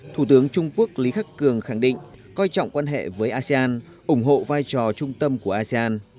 thủ tướng trung quốc lý khắc cường khẳng định coi trọng quan hệ với asean ủng hộ vai trò trung tâm của asean